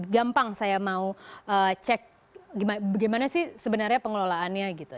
gampang saya mau cek bagaimana sih sebenarnya pengelolaannya gitu